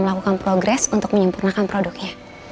melakukan progres untuk menyempurnakan produknya